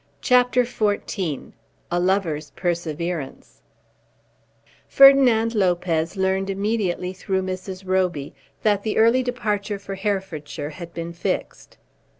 CHAPTER XIV A Lover's Perseverance Ferdinand Lopez learned immediately through Mrs. Roby that the early departure for Herefordshire had been fixed.